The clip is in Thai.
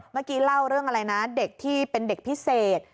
เมื่อกี้เล่าเรื่องอะไรนะเด็กที่เป็นเด็กพิเศษ